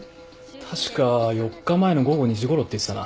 確か４日前の午後２時ごろって言ってたな。